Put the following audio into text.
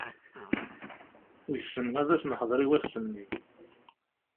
Wissen ma ad as-neḥder i wass-nni.